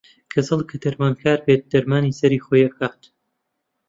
کەچەڵ کە دەرمانکەر بێت دەرمانی سەری خۆی ئەکات